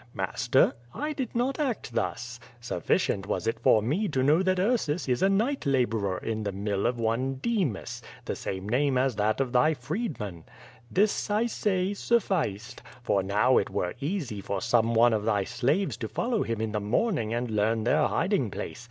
Master, I did not act thus. Sufficient was it for me to know that Ursus is a night laborer in the mill of one Demas, the same name as that of thy f reed man. This, I say, sufficed. For now it were easy for some one of thy slaves to follow him in the morning and learn their hiding place.